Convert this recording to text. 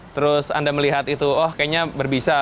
terus anda melihat itu oh kayaknya berbisa